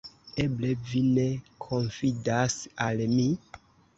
Eble vi ne konfidas al mi?